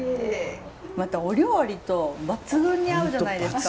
またお料理と抜群に合うじゃないですか。